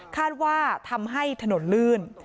คาดว่าทำให้ถนนลื่น